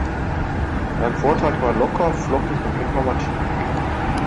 Dein Vortrag war locker, flockig und informativ.